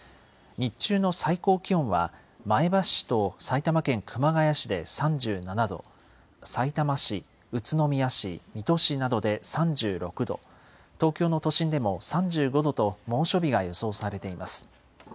日中の最高気温は、前橋市と埼玉県熊谷市で３７度、さいたま市、宇都宮市、水戸市などで３６度、東京の都心でも３５度と、猛暑日が予想されています。